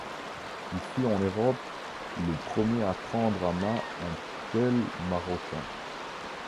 Il fut en Europe le premier à prendre en main un tel maroquin.